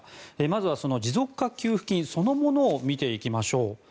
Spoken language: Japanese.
まずはその持続化給付金そのものを見ていきましょう。